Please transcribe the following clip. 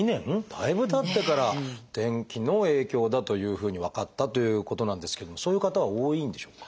だいぶたってから天気の影響だというふうに分かったということなんですけどもそういう方は多いんでしょうか？